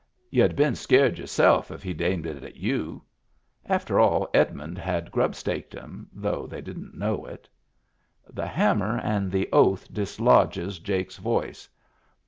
Y'u'd been scared yourself if he'd aimed it at you. After all, Edmund had grub staked 'em, though they didn't know it. The hammer and the oath dislodges Jake's voice.